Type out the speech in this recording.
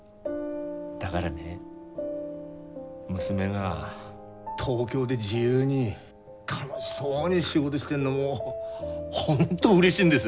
だがらね娘が東京で自由に楽しそうに仕事してんのもう本当うれしいんです。